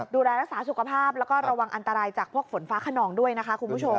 ดูแลรักษาสุขภาพแล้วก็ระวังอันตรายจากพวกฝนฟ้าขนองด้วยนะคะคุณผู้ชม